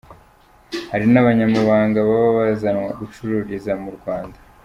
Hari n’abanyamahanga baba bazanwa gucururizwa mu Rwanda.